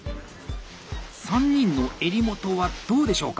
３人の襟元はどうでしょうか？